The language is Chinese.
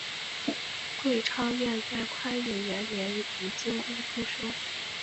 桂昌院在宽永元年于京都出生。